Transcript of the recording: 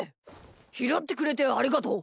ひろってくれてありがとう。